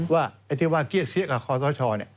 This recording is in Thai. ว่าไอ้ที่ว่าเกี้ยเสียกับคอสช